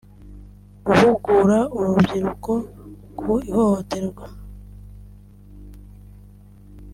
Guhugura uru rubyiruko ku ihohoterwa